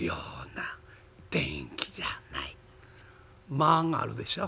間ぁがあるでしょ。